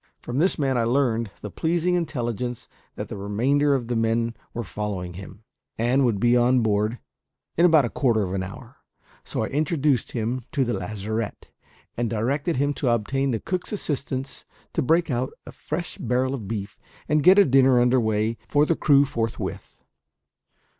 From this man I learned the pleasing intelligence that the remainder of the men were following him, and would be on board in about a quarter of an hour; so I introduced him to the lazarette, and directed him to obtain the cook's assistance to break out a fresh barrel of beef, and get a dinner under way for the crew forthwith.